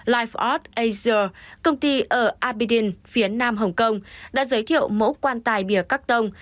lifeart asia công ty ở abidin phía nam hồng kông đã giới thiệu mẫu quan tài bìa cắt đông